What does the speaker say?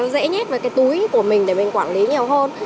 dễ nhét vào cái túi của mình để mình quản lý nhiều hơn